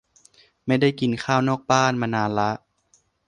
ไม่ได้กินข้าวนอกบ้านมานานละ